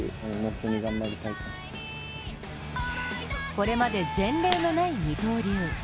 これまで前例のない二刀流。